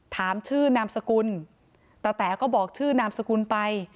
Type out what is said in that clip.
ถามชื่อนามสกุลตะแต๋ก็บอกชื่อนามสกุลไป